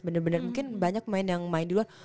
mungkin banyak pemain yang main di luar